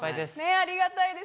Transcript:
ありがたいです。